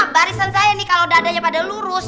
barisan saya nih kalau dadanya pada lurus